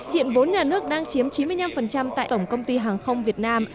hiện vốn nhà nước đang chiếm chín mươi năm tại tổng công ty hàng không việt nam